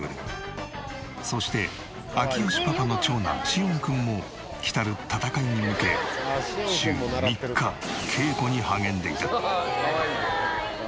そして明慶パパの長男しおん君も来たる戦いに向け週３日稽古に励んでいた。